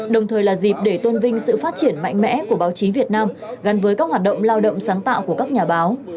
đồng thời là dịp để tôn vinh sự phát triển mạnh mẽ của báo chí việt nam gắn với các hoạt động lao động sáng tạo của các nhà báo